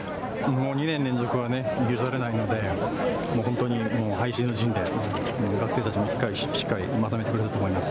２年連続は譲れないので、本当に背水の陣で学生たちもしっかりまとめてくれたと思います。